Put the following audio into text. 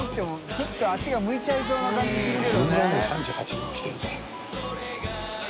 フッと足が向いちゃいそうな感じするけどね